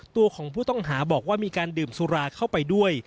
ตัวของผู้ต้องหาบอกว่ามีการดื่มสุราเข้าไปด้วย